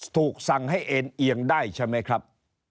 ถูกสั่งให้เอ็นเอียงได้ใช่ไหมครับ